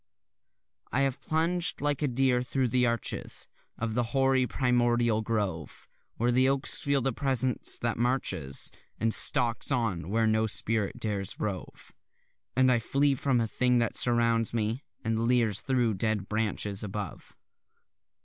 I have plunged like a deer thro' the arches Of the hoary primordial grove, Where the oaks feel the presence that marches And stalks on where no spirit dares rove, And I flee from a thing that surrounds me, and leers thro' dead branches above.